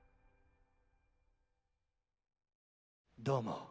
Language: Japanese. どうも。